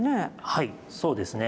はいそうですね。